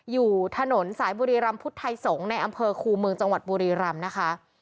อยู่ถนนสายบุรีรำพุทธไทยสงฆ์ในอำเภอคูเมืองจังหวัดบุรีรำนะคะ